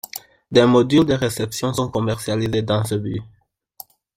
Des modules de réception sont commercialisés dans ce but.